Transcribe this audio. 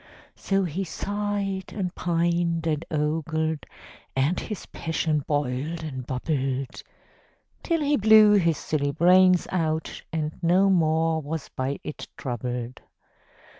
So he sighed and pined and ogled, And his passion boiled and bubbled, Till he blew his silly brains out, And no more was by it troubled.